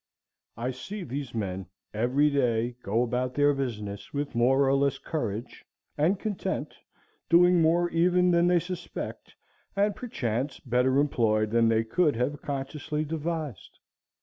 I see these men every day go about their business with more or less courage and content, doing more even than they suspect, and perchance better employed than they could have consciously devised.